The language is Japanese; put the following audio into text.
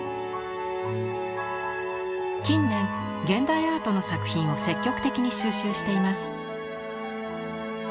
近年現代アートの作品を積極的に収集しています。